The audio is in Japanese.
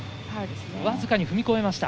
僅かに踏み越えました。